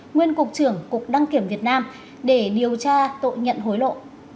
nguyên cục trưởng cục đăng kiểm việt nam để điều tra tội nhận hối lộ